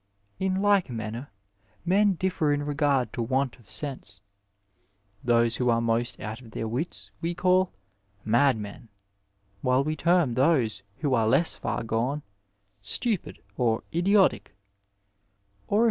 In like manner men differ in regard to want of sexise. Those who are meet out of their wits we call '* madmen," while we term those who are less far gone stupid," or '* idiotic,'* or if we i I>iaJo^tte»,iy.